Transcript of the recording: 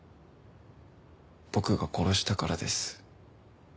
僕が殺したからです。